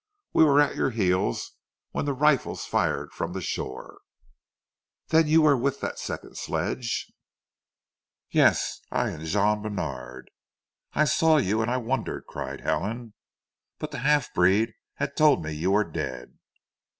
We were at your heels when the rifles fired from the shore " "Then you were with that second sledge?" "Yes, I and Jean Bènard!" "I saw you and I wondered," cried Helen. "But the half breed had told me you were dead."